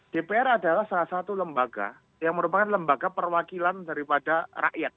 dpr adalah salah satu lembaga yang merupakan lembaga perwakilan daripada rakyat